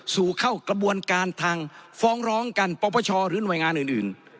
สู่เข้ากระบวนการทางฟ้องร้องกันปปชหรือหน่วยงานอื่น